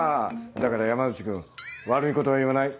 だから山内君悪いことは言わない。